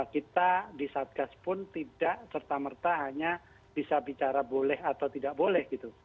kita di satgas pun tidak serta merta hanya bisa bicara boleh atau tidak boleh gitu